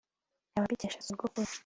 nkaba mbikesha sogokuru